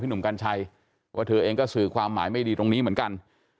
หนุ่มกัญชัยว่าเธอเองก็สื่อความหมายไม่ดีตรงนี้เหมือนกัน